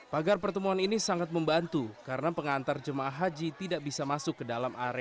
pagar pertemuan ini sangat membantu karena pengantar jemaah haji tidak bisa masuk ke dalam area